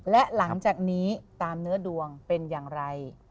และหลังจากนี้ตามเนื้อดวงเป็นอย่างไร